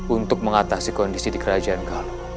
untuk mengatasi kondisi di kerajaan galut